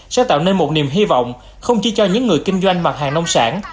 sẽ tạo nên một niềm hy vọng không chỉ cho những người kinh doanh mặt hàng nông sản